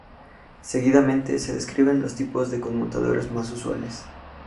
Seguidamente se describen los tipos de conmutadores más usuales.